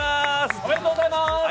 おめでとうございます。